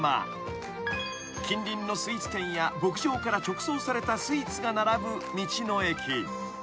［近隣のスイーツ店や牧場から直送されたスイーツが並ぶ道の駅］